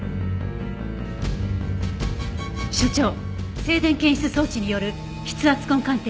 所長静電検出装置による筆圧痕鑑定